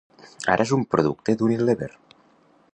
Ara és un producte d'Unilever.